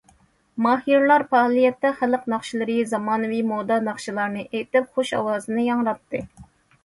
ماھىرلار پائالىيەتتە خەلق ناخشىلىرى، زامانىۋى مودا ناخشىلارنى ئېيتىپ، خۇش ئاۋازىنى ياڭراتتى.